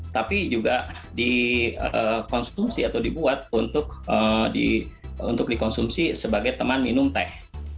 tapi juga dikonsumsi atau dibuat untuk dikonsumsi sebagai teman minum teh